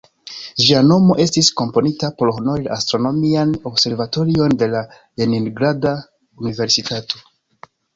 Ĝia nomo estis komponita por honori la "Astronomian Observatorion de la Leningrada Universitato".